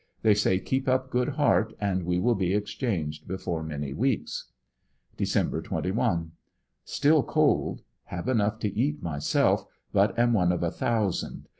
They say keep up good heart and we will be exchanged before many weeks. Dec. 21. — Still cold. Have enough to eat myself, but am one of a thousand.